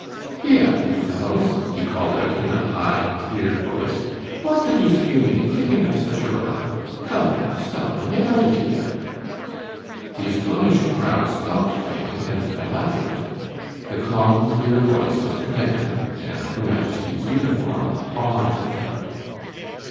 "Here, you fellows," he called out, in a high, clear voice, "what the deuce do you mean, kicking up such a row? Come now, stop, and get out of here." The astonished crowd stopped fighting and fell back a little. The calm, clear voice of command and her majesty's uniform awed them.